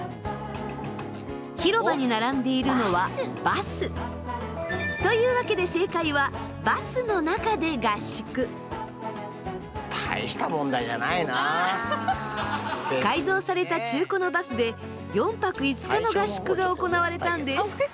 広場に並んでいるのはバス！というわけで改造された中古のバスで４泊５日の合宿が行われたんです。